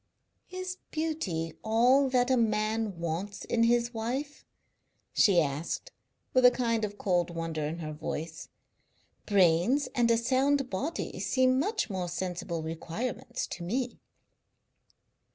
"Is beauty all that a man wants in his wife?" she asked, with a kind of cold wonder in her voice. "Brains and a sound body seem much more sensible requirements to me."